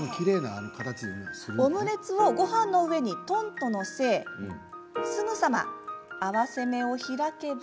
オムレツをごはんの上にトンとのせすぐさま合わせ目を開けば。